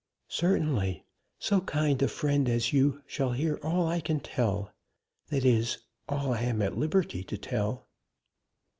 "Certainly: so kind a friend as you shall hear all I can tell; that is, all I am at liberty to tell."